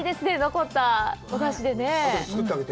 残ったお出汁でね。